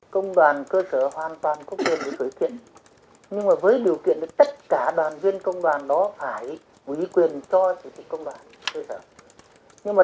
công đoàn cơ sở hoàn toàn có quyền để khởi kiện nhưng với điều kiện tất cả đoàn viên công đoàn đó phải quý quyền cho công đoàn cơ sở